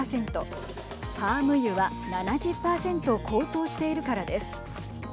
パーム油は７０％高騰しているからです。